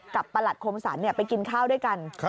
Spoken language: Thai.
กับประหลัดโครมศัตริย์ไปกินข้าวด้วยกัน